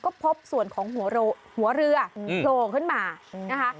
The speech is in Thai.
ก็พบส่วนของหัวโหลหัวเรืออืมโหลขึ้นมาอืมนะคะ